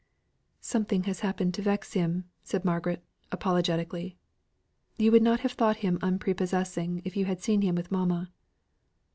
"Something has happened to vex him," said Margaret apologetically. "You would not have thought him unprepossessing if you had seen him with mamma."